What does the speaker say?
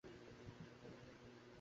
আমরা এখনও কিছু একটা করতে পারি।